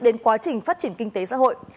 đến quá trình phát triển kinh tế xã hội